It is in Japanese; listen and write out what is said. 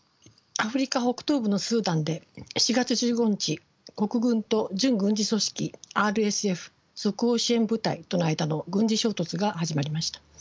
アフリカ北東部のスーダンで４月１５日国軍と準軍事組織ＲＳＦ即応支援部隊との間の軍事衝突が始まりました。